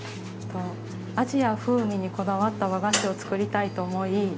味や風味にこだわった和菓子を作りたいと思い